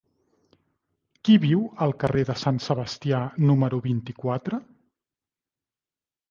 Qui viu al carrer de Sant Sebastià número vint-i-quatre?